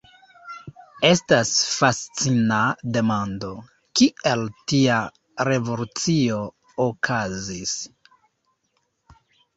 Estas fascina demando, kiel tia revolucio okazis.